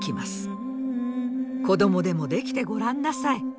子供でもできてごらんなさい。